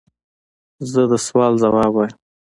زه د سوال ځواب وایم.